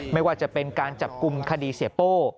ไม่ว่าจะเป็นการจับกลุ่มคดีเสียโป้